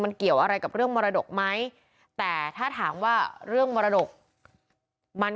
มันเกี่ยวอะไรกับเรื่องมรดกไหมแต่ถ้าถามว่าเรื่องมรดกมัน